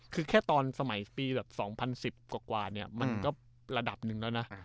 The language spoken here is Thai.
คือแค่ตอนสมัยปีแบบ๒๐๑๐กว่าเนี่ยมันก็ระดับหนึ่งแล้วนะ